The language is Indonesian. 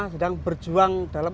sedang berjuang dalam hal ini